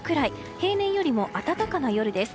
平年よりも暖かな夜です。